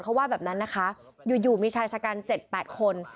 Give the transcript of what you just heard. เขาว่าแบบนั้นนะคะอยู่มีชายชะกัน๗๘คน